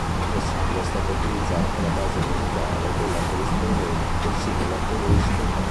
Per la sigla è stata utilizzata la base musicale della corrispondente sigla tedesca.